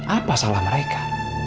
apa salah mereka